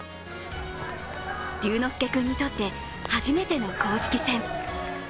龍之介君にとって初めての公式戦。